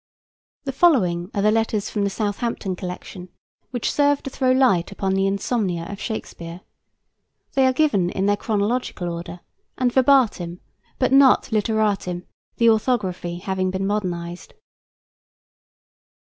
The following are the letters from the Southampton collection which serve to throw light upon the insomnia of Shakespeare. They are given in their chronological order, and verbatim, but not literatim, the orthography having been modernized.